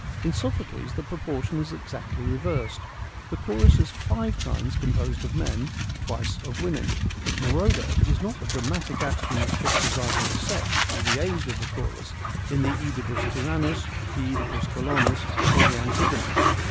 In Sophocles the proportion is exactly reversed. The chorus is five times composed of men, twice of women. Moreover, it is not the dramatic action that fixes either the sex or the age of the chorus in the (Edipus Tyrannus, the CEdipus Colonus, or the Antigone.